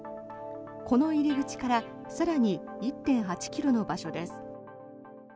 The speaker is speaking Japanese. この入り口から更に１．８ｋｍの場所です。